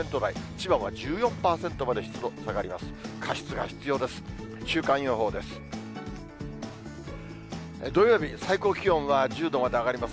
千葉は１４％まで湿度、下がります。